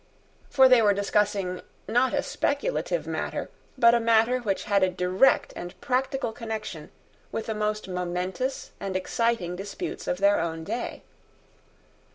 For they were discussing, not a speculative matter, but a matter which had a direct and practical connection with the most momentous and exciting disputes of their own day.